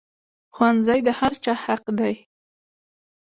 ښوونځی د هر چا حق دی